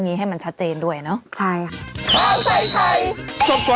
ตราบใดที่ตนยังเป็นนายกอยู่